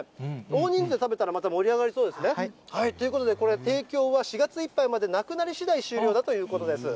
大人数で食べたらまた盛り上がりそうですね。ということで、これ、提供は４月いっぱいまで、なくなりしだい、終了だということです。